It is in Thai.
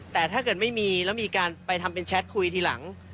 แต่ถ้าเกิดไม่มีแล้วมีการไปทำเป็นแชทคุยทีหลัง